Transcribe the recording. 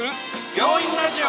「病院ラジオ」。